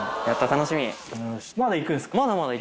楽しみ！